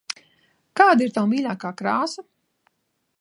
Kāda ir tava mīļākā krāsa?